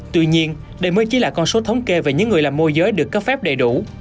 tuy nhiên đây mới chỉ là con số thống kê về những người làm môi giới được cấp phép đầy đủ